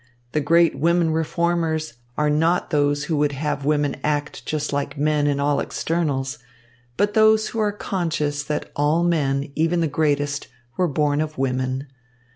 The great women reformers are not those who would have women act just like men in all externals, but those who are conscious that all men, even the greatest, were born of women.